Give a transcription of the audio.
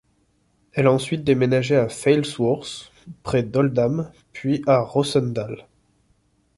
Elle a ensuite déménagé à Failsworth près d'Oldham puis à Rossendale.